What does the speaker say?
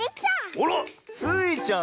あら⁉スイちゃん